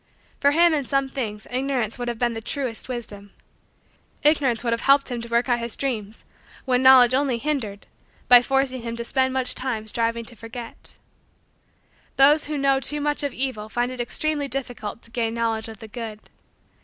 For him in some things Ignorance would have been the truest wisdom. Ignorance would have helped him to work out his dreams when Knowledge only hindered by forcing him to spend much time striving to forget. Those who know too much of evil find it extremely difficult to gain knowledge of the good.